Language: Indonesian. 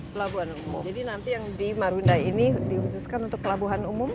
pelabuhan umum jadi nanti yang di marunda ini dihususkan untuk pelabuhan umum